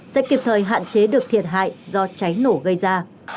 sẽ kịp thời hạn chế được thiệt hại do cháy nổ gây ra